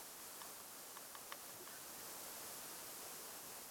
Agizeni chakula cha mchana.